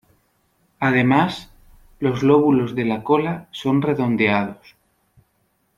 Además, los lóbulos de la cola son redondeados.